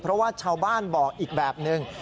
เพราะว่าชาวบ้านบอกอีกแบบนึง